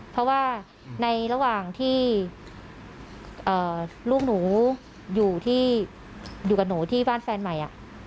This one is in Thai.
เพราะว่าในระหว่างที่ลูกหนูอยู่ที่อยู่กับหนูที่บ้านแฟนใหม่